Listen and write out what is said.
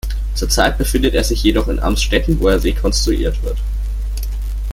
Zur Zeit befindet er sich jedoch in Amstetten, wo er rekonstruiert wird.